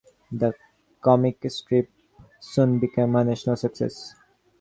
The comic strip soon became a national success.